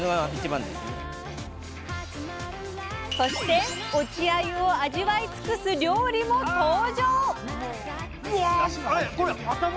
そして落ちあゆを味わいつくす料理も登場！